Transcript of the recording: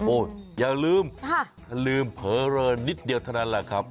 โอ้ยอย่าลืมเผลอเรินนิดเดียวเท่านั้นแหละครับ